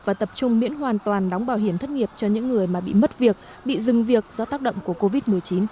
và tập trung miễn hoàn toàn đóng bảo hiểm thất nghiệp cho những người mà bị mất việc bị dừng việc do tác động của covid một mươi chín